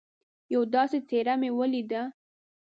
یوه داسي څهره مې ولیده